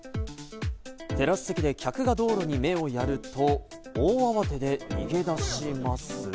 テラス席で客が道路に目をやると、大慌てで逃げ出します。